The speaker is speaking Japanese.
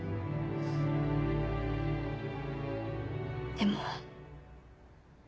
でも。